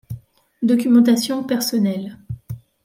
Documentation personnelle.